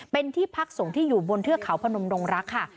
เป็นที่พักสงฆ์ที่อยู่บนเทือกเขาพนมดงรักค่ะ